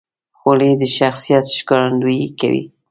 خولۍ د شخصیت ښکارندویي کوي.